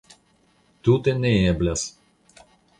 Tute neeblas.